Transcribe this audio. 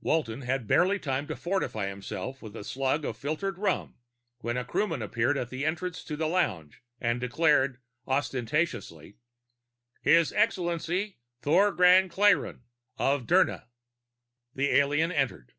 Walton had barely time to fortify himself with a slug of filtered rum when a crewman appeared at the entrance to the lounge and declared ostentatiously, "His Excellency, Thogran Klayrn of Dirna." The alien entered.